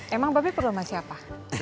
emang mbak be perlu sama siapa